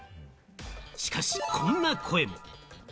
しかし、こんな声も。